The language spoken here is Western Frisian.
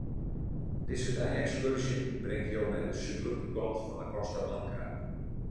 Dizze dei-ekskurzje bringt jo nei de súdlike kant fan 'e Costa Blanca.